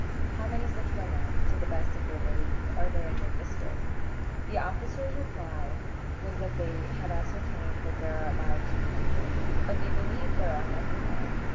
How many such women (to the best of your belief) are there in your district?" The officers reply that they have ascertained that there are about two hundred, but they believe there are many more.